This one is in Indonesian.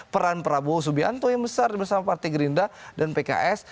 peran prabowo subianto yang besar bersama partai gerindra dan pks